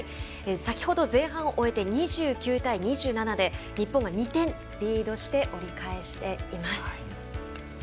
先ほど前半を終えて２９対２７で日本が２点リードして折り返しています。